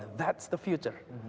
itu masa depan